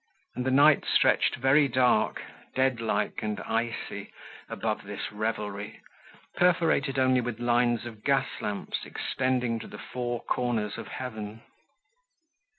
And the night stretched very dark, dead like and icy, above this revelry, perforated only with lines of gas lamps extending to the four corners of heaven.